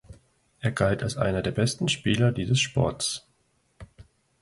Er galt als einer der besten Spieler dieses Sports.